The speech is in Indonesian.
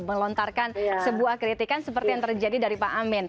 melontarkan sebuah kritikan seperti yang terjadi dari pak amin